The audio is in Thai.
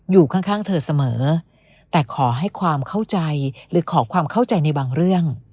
อยู่ข้างข้างเธอเสมอแต่ขอให้ความเข้าใจหรือขอความเข้าใจในบางเรื่อง